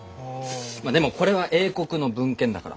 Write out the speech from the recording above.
まあでもこれは英国の文献だから。